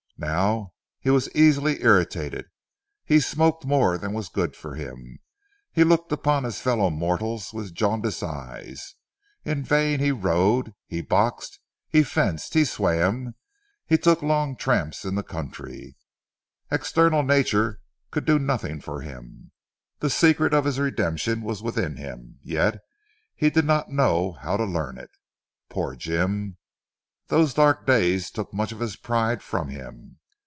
Now he was easily irritated, he smoked more than was good for him, he looked upon his fellow mortals with jaundiced eyes. In vain he rode, he boxed, he fenced, he swam, he took long tramps into the country. External Nature could do nothing for him. The secret of his redemption was within him, yet he did not know how to learn it. Poor Jim! Those dark days took much of his pride from him.